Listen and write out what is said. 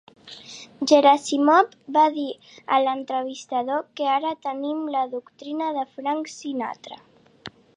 Gerasimov va dir a l'entrevistador que ara tenim la doctrina de Frank Sinatra.